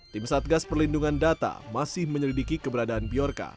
tim satgas perlindungan data masih menyelidiki keberadaan bjorka